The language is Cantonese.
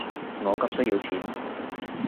我急需要錢